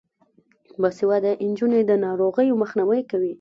باسواده نجونې د ناروغیو مخنیوی کوي.